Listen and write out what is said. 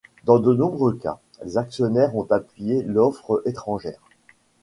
Dans de nombreux cas, les actionnaires ont appuyé l'offre étrangère.